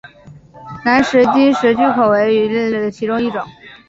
南极掠食巨口鱼为辐鳍鱼纲巨口鱼目巨口鱼科的其中一种。